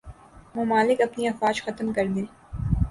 ممالک اپنی افواج ختم کر دیں